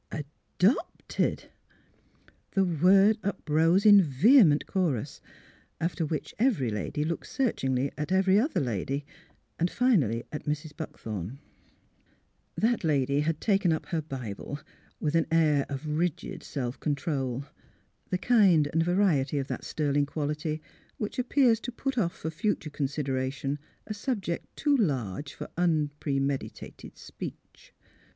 "Adopted! " The word uprose in vehement chorus. After which every lady looked searchingly at every other lady, and finally at Mrs. Buckthorn. That lady had taken up her Bible, with an air of rigid self control — the kind and variety of that sterling quality which appears to put off for future consideration a subject too large for un premeditated speech.